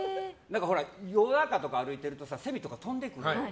夜中とか歩いてるとセミとか飛んでくるやん。